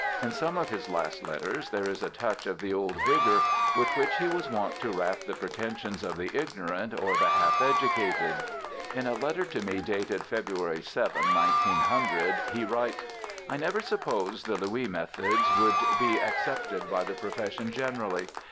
In some of his last letters there is a touch of the old vigour with which he was wont to rap the pretensions of the ignorant or the half educated. In a letter to me dated February 7, 1900, he writes :' I never supposed the Louis methods would be ac cepted by the profession generally.